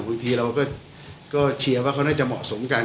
บางทีเราก็เชียร์ว่าเขาน่าจะเหมาะสมกัน